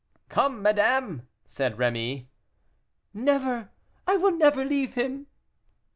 "Come, madame," said Rémy. "Never! I will never leave him."